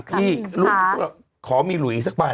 ขอมีหลุยซักใบ